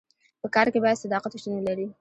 په کار کي باید صداقت شتون ولري.